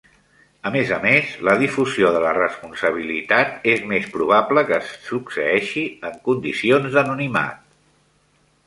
A més a més, la difusió de la responsabilitat és més probable que succeeixi en condicions d'anonimat.